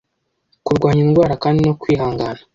kurwanya indwara kandi no kwihangana